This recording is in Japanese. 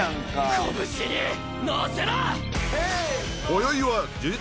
拳に乗せろ！